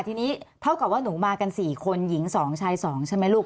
ทีนี้เท่ากับว่าหนูมากัน๔คนหญิง๒ชาย๒ใช่ไหมลูก